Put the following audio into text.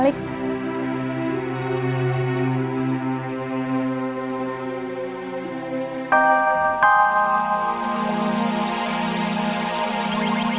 meminfeksi musim ketengah